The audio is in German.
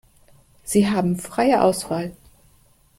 Sie haben freie Auswahl.